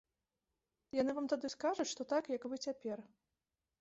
Яны вам тады скажуць, што так, як вы цяпер.